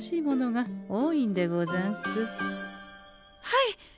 はい！